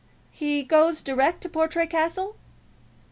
"He goes direct to Portray Castle?"